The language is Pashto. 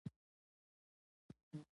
پسه له سختو شرایطو ژغورنه غواړي.